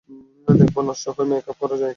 দেখব নষ্ট সময় মেক-আপ করা যায় কিনা।